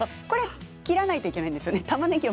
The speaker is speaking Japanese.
これ切らないといけないですよね